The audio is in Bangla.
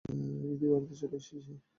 ইভি, বাড়িতে চলে এসেছি!